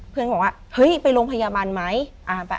เพื่อนบอกว่าเฮ้ยไปลงพยาบรรยาบันมั้ย